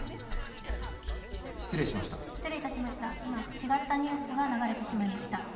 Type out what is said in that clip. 失礼いたしました、違ったニュースが流れてしまいました。